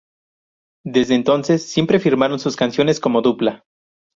Desde entonces, siempre firmaron sus canciones como dupla.